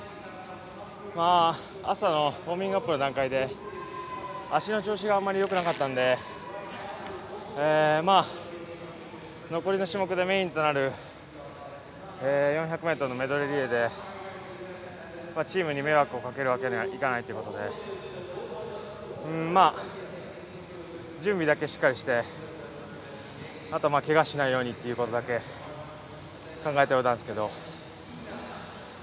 朝のウォーミングアップの段階で足の調子があまりよくなかったので残りの種目でメインとなる４００ｍのメドレーリレーでチームに迷惑をかけるわけにはいかないということで準備だけしっかりしてあとはけがしないようにということだけを考えて泳いだんですけど。